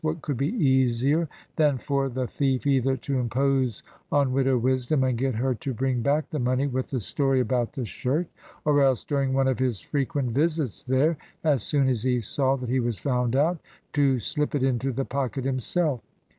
What could be easier than for the thief either to impose on Widow Wisdom, and get her to bring back the money with the story about the shirt; or else, during one of his frequent visits there, as soon as he saw that he was found out, to slip it into the pocket himself!